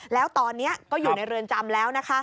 แล้วตอนนี้ก็อยู่ในเรือนจำแล้วนะคะ